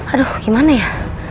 aduh gimana ya